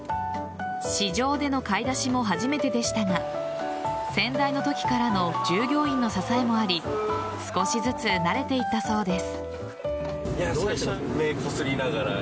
市場での買い出しも初めてでしたが先代のときからの従業員の支えもあり少しずつ慣れていったそうです。